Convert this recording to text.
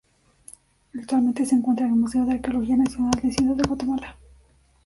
Actualmente se encuentra en museo de Arqueología Nacional de Ciudad de Guatemala.